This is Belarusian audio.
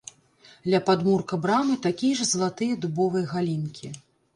Ля падмурка брамы такія ж залатыя дубовыя галінкі.